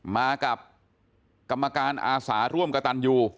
มากับกรรมการอาสาร่วมกระตันยู